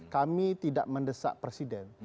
kami tidak mendesa presiden